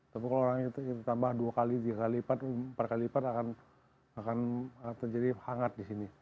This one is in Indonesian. tapi kalau orangnya ditambah dua kali tiga kali lipat empat kali lipat akan terjadi hangat di sini